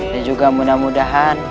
dan juga mudah mudahan